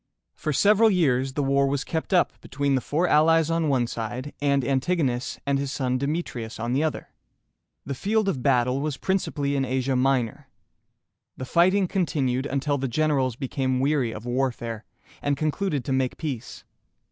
For several years the war was kept up between the four allies on one side, and Antigonus and his son De me´tri us on the other. The field of battle was principally in Asia Minor. The fighting continued until the generals became weary of warfare, and concluded to make peace.